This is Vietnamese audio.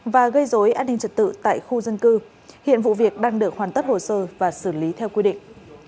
và gây dối an ninh trật tự tại khu dân cư hiện vụ việc đang được hoàn tất hồ sơ và xử lý theo quy định